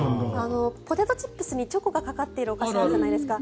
ポテトチップスにチョコがかかっているお菓子あるじゃないですか。